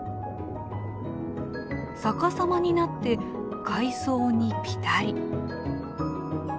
逆さまになって海藻にピタリ。